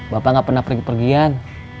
bapak gak pernah pergi pergian